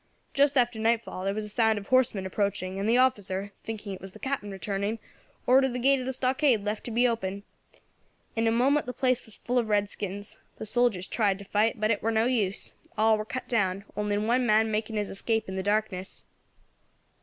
Just after nightfall there was a sound of horsemen approaching, and the officer, thinking it was the Captain returning, ordered the gate of the stockade to be left open. In a moment the place was full of redskins. The soldiers tried to fight, but it were no use; all war cut down, only one man making his escape in the darkness.